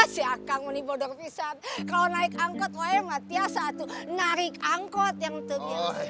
si akang ini bodoh pisat kalau naik angkot loe mati ya satu narik angkot yang tegak